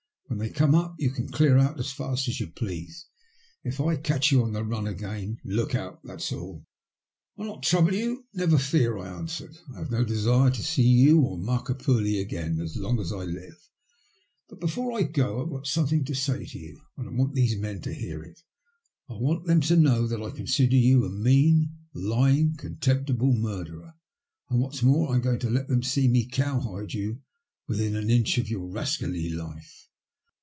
When they come up you can clear out as fast as you please. If I catch you on the Bun again look out, that's all." " I'll not trouble you, never fear," I answered. " I have no desire to see you or Markapurlie again as long as I live. But before I go I've got something to say to you, and I want these men to hear it. I want them to know that I consider you a mean, lying, con temptible murderer. And, what's more, I'm going to let them see me cowhide you within an inch of your rascally life."